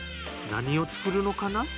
何を作るのかな？